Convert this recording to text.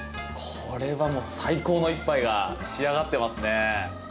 これは最高の一杯が仕上がってますね。